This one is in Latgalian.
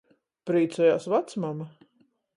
Prīcojās vacmama.